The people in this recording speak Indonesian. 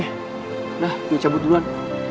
udah gue cabut duluan